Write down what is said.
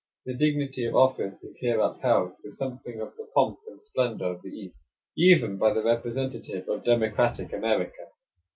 The dignity of office is here upheld with something of the pomp 30 Across Asia on a Bicycle and splendor of the East, even by the representative of democratic America.